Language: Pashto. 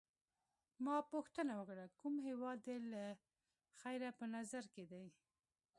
ما پوښتنه وکړه: کوم هیواد دي له خیره په نظر کي دی؟